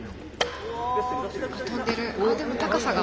飛んでるでも高さが。